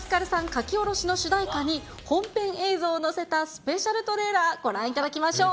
書き下ろしの主題歌に、本編映像を載せたスペシャルトレーラー、ご覧いただきましょう。